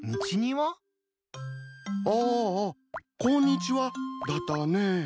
あ「こんにちは」だったね。